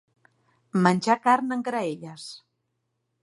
Menjar carn en graelles.